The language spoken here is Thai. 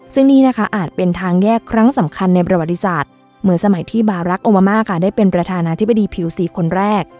ซึ่งนี่นะคะอาจเป็นทางแยกครั้งสำคัญในประวัติศาสตร์เหมือนสมัยที่บารักษ์โอมาม่าค่ะได้เป็นประธานาธิบดีผิวสีคนแรก